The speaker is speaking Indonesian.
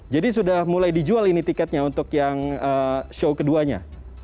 jadi sudah mulai dijual ini tiketnya untuk yang show keduanya